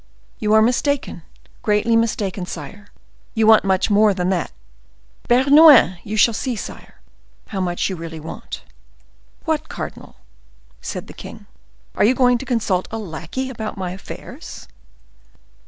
"You are mistaken, greatly mistaken, sire; you want much more than that,—Bernouin!—you shall see, sire, how much you really want." "What, cardinal!" said the king, "are you going to consult a lackey about my affairs?"